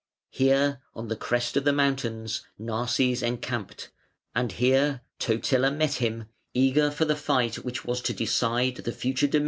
Here on the crest of the mountains Narses encamped, and here Totila met him, eager for the fight which was to decide the future dominion of Italy.